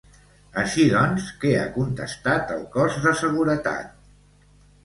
Així doncs, què ha contestat el cos de seguretat?